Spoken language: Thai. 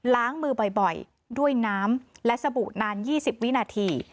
ล้างมือบ่อยด้วยน้ำและสบู่นาน๒๐วินาที